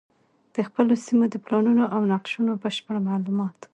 د خپلو سیمو د پلانونو او نقشو بشپړ معلومات